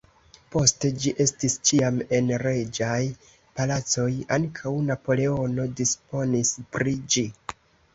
Poste ĝi estis ĉiam en reĝaj palacoj, ankaŭ Napoleono disponis pri ĝi.